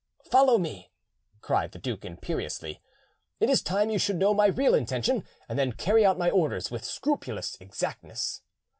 "Follow me," cried the duke imperiously; "it is time you should know my real intention, and then carry out my orders with scrupulous exactness."